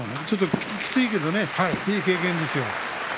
ちょっときついけれどもいい経験ですよ。